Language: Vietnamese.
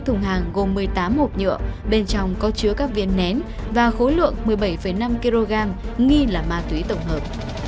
hai thùng hàng gồm một mươi tám hộp nhựa bên trong có chứa các viên nén và khối lượng một mươi bảy năm kg nghi là ma túy tổng hợp